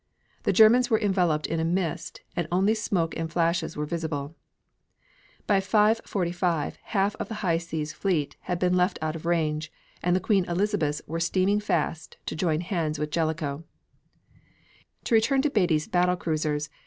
The Germans were enveloped in a mist and only smoke and flashes were visible. By 5.45 half of the High Seas Fleet had been left out of range, and the Queen Elizabeths were steaming fast to join hands with Jellicoe. To return to Beatty's battle cruisers.